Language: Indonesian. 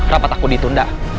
rapat aku ditunda